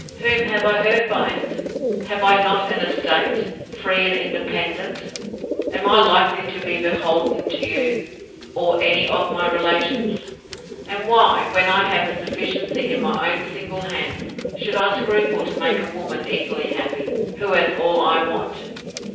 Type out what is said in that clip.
Whom have I hurt by it?—Have I not an estate, free and independent?—Am I likely to be beholden to you, or any of my relations? And why, when I have a sufficiency in my own single hands, should I scruple to make a woman equally happy, who has all I want?